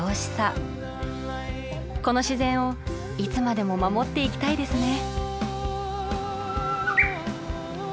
この自然をいつまでも守っていきたいですね。